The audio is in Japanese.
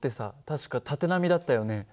確か縦波だったよね。